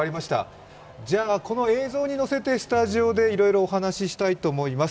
じゃあこの映像に乗せてスタジオでいろいろお話ししたいと思います。